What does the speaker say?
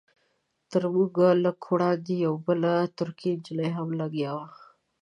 تر موږ لږ وړاندې یوه بله ترکۍ نجلۍ هم لګیا وه.